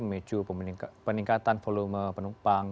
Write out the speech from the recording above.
memicu peningkatan volume penumpang